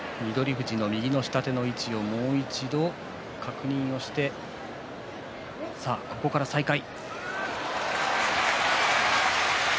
富士の右の下手の位置をもう一度確認して再開。